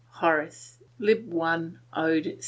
HORACE, lib. i. ode vi.